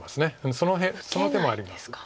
その辺その手もあります。